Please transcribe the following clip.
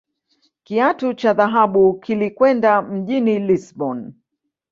Kiatu cha dhahabu kilikwenda mjini Lisbon